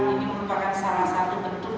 ini merupakan salah satu bentuk